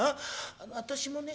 『あの私もね